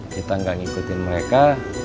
kita gak ngikutin mereka